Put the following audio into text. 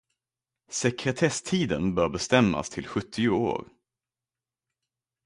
Sekretesstiden bör bestämmas till sjuttio år.